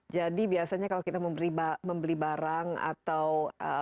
jadi biasanya kalau kita membeli barang atau